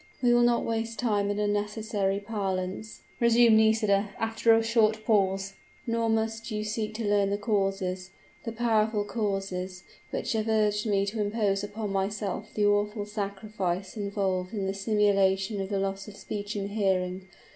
"We will not waste time in unnecessary parlance," resumed Nisida, after a short pause; "nor must you seek to learn the causes the powerful causes, which have urged me to impose upon myself the awful sacrifice involved in the simulation of loss of speech and hearing.